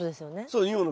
そう。